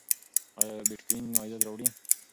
ایا بېټکوین عاید راوړي؟